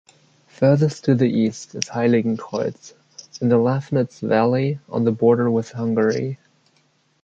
Furthest to the east is Heiligenkreuz in the Lafnitz valley, on the border with Hungary.